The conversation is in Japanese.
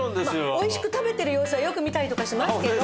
おいしく食べてる様子はよく見たりとかしますけど。